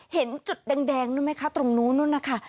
เห็นจุดแดงนู่นไหมคะตรงนู้นนะคะ